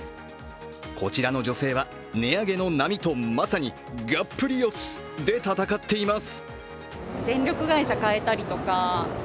こちらの女性は、値上げの波とまさにがっぷり四つで戦っています。